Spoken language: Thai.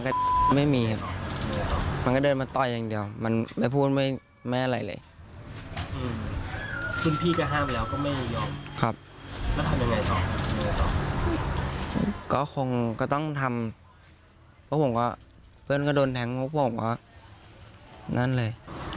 ก็คงก็ต้องทำเพราะผมก็เพื่อนก็โดนแทงพวกผมก็นั่นเลย